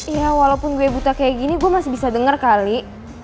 iya walaupun gue buta kayak gini gue masih bisa dengar kali